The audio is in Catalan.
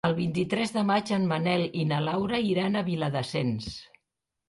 El vint-i-tres de maig en Manel i na Laura iran a Viladasens.